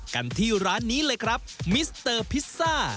กันที่ร้านนี้เลยครับมิสเตอร์พิซซ่า